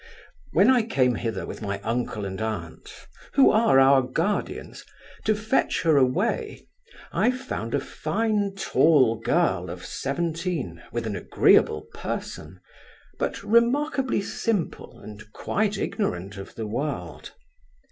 When I came hither with my uncle and aunt (who are our guardians) to fetch her away, I found her a fine tall girl, of seventeen, with an agreeable person; but remarkably simple, and quite ignorant of the world.